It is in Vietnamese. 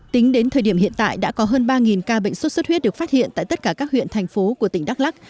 tính đến thời điểm hiện tại đã có hơn ba ca bệnh sốt xuất huyết được phát hiện tại tất cả các huyện thành phố của tỉnh đắk lắc